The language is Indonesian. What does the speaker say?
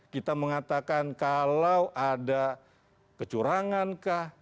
kita mengatakan kalau ada kecurangankah